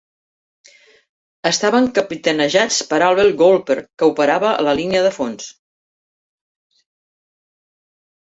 Estaven capitanejats per Albert Goldthorpe, que operava a la línia de fons.